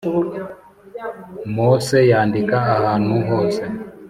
mose yandika ahantu hose